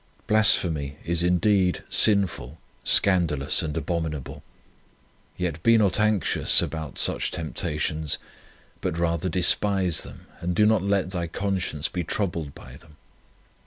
Blas phemy is indeed sinful, scandalous, 70 Temptation and abominable, yet be not anxious about such temptations, but rather despise them, and do not let thy conscience be troubled by them.